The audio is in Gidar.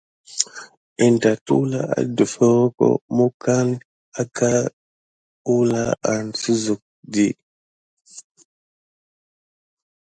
Kine tate wulane adef horko mokoni aka gudanla wusodi.